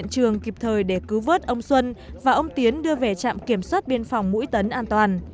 hiện trường kịp thời để cứu vớt ông xuân và ông tiến đưa về trạm kiểm soát biên phòng mũi tấn an toàn